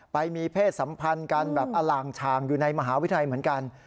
ไปมีเพศสัมพันธ์กันแบบอล่างชางอยู่ในมหาวิทยาลัยเหมือนกัน